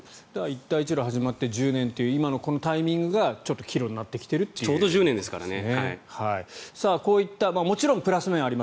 一帯一路が始まって１０年という今のこのタイミングがちょっと岐路になってきているということですね。